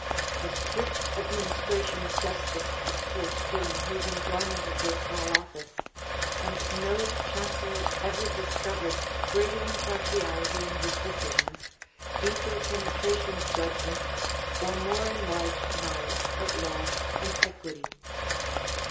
A strict administration of justice took place during his enjoyment of this high office and no chancellor ever discovered greater impartiality in his decisions, deeper penetration of judgment, or more enlarged knowledge of law and equity.